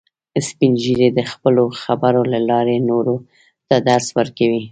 سپین ږیری د خپلو خبرو له لارې نورو ته درس ورکوي